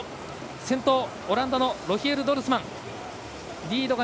先頭、オランダのロヒエル・ドルスマン。